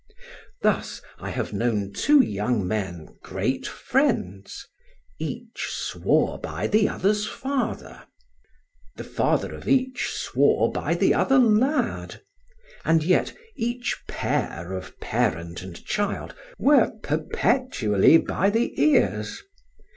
Thus I have known two young men great friends; each swore by the other's father; the father of each swore by the other lad; and yet each pair of parent and child were perpetually by the ears.